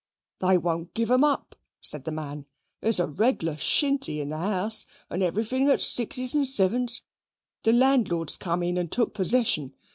"They won't give 'em up," said the man; "there's a regular shinty in the house, and everything at sixes and sevens. The landlord's come in and took possession.